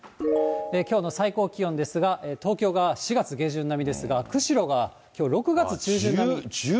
きょうの最高気温ですが、東京が４月下旬並みですが、釧路がきょう６月中旬並み。